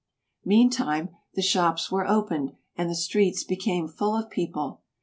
Meantime, the shops were opened and the streets be came full of people.